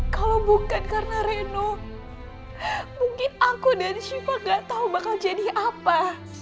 kalau bukan karena reno mungkin aku dan shiva gak tau bakal jadi apa